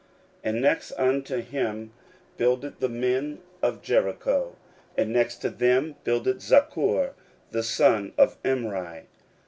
16:003:002 And next unto him builded the men of Jericho. And next to them builded Zaccur the son of Imri.